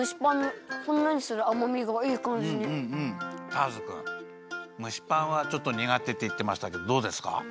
ターズくんむしパンはちょっとにがてっていってましたけどどうですか？